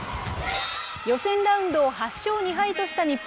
予選ラウンドを８勝２敗とした日本。